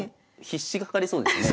必至がかかりそうですね。